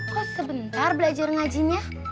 kok sebentar belajar ngajinya